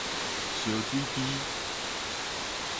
燒水機